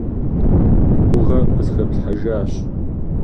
Гугъэ къысхэплъхьэжащ.